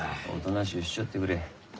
おとなしゅうしちょってくれ。